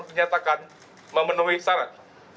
menyatakan memenuhi syarat